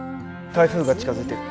台風が近づいてる。